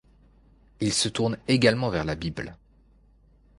Il se tourne également vers la Bible.